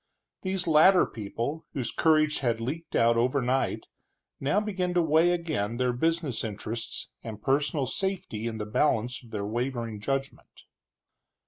These latter people, whose courage had leaked out overnight, now began to weigh again their business interests and personal safety in the balance of their wavering judgment.